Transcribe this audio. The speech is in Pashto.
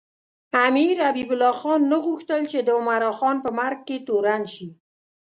امیر حبیب الله خان نه غوښتل چې د عمراخان په مرګ کې تورن شي.